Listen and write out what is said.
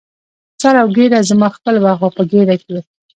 سر او ګېډه زما خپله وه، خو په ګېډه کې.